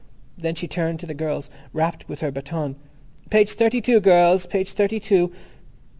Then she turned to the girls, rapped with her baton: "Page thirty two, girls. Page thirty two."